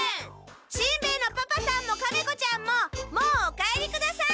しんべヱのパパさんもカメ子ちゃんももうお帰りください。